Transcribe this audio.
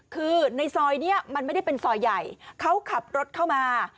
คือในซอยนี้มันไม่ได้เป็นซอยใหญ่เขาขับรถเข้ามา